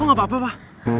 lo gapapa fah